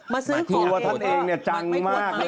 มาที่ถึงว่าทำเองจังมากเลย